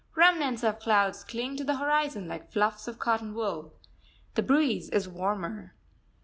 Remnants of clouds cling to the horizon like fluffs of cotton wool. The breeze is warmer.